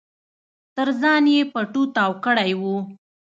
تر ځان يې پټو تاو کړی و.